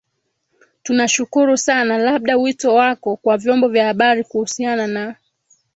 tunashukuru sana labda wito wako kwa vyombo vya habari kuhusiana na